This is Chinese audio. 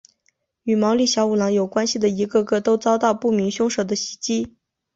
与毛利小五郎有关系的人一个个都遭到不明凶手的袭击。